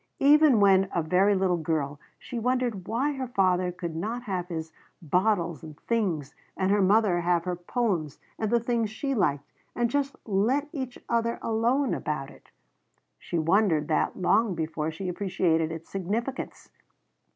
Even when a very little girl she wondered why her father could not have his bottles and things, and her mother have her poems and the things she liked, and just let each other alone about it. She wondered that long before she appreciated its significance.